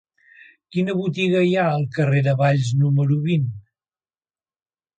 Quina botiga hi ha al carrer de Valls número vint?